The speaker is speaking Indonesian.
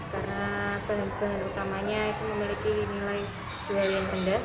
karena penghubungan utamanya itu memiliki nilai jual yang rendah